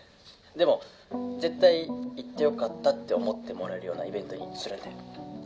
「でも絶対行ってよかったって思ってもらえるようなイベントにするんで」